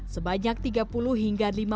sebanyak tiga puluh hingga lima puluh